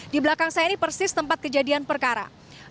di belakang saya ini persis tempat kejadian perkara